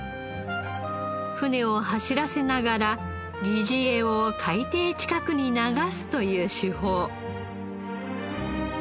船を走らせながら疑似餌を海底近くに流すという手法。